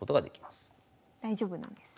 大丈夫なんですね。